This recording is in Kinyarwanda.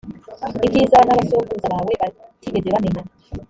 ibyiza n’abasokuruza bawe batigeze bamenya: